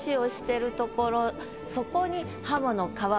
そこに。